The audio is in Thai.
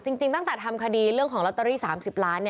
จริงตั้งแต่ทำคดีเรื่องของลอตเตอรี่๓๐ล้าน